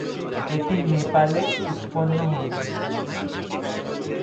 এটি নেপালে উৎপন্ন হয়েছে।